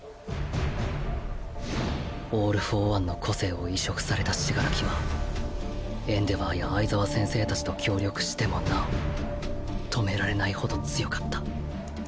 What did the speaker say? オール・フォー・ワンの個性を移植された死柄木はエンデヴァーや相澤先生達と協力しても尚止められない程強かった。